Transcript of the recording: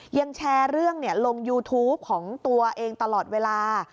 ยังแชร์เรื่องลงยูทูปของตัวเองตลอดเวลา